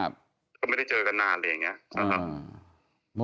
พี่หนุ่ม